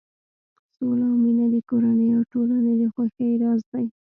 سوله او مینه د کورنۍ او ټولنې د خوښۍ راز دی.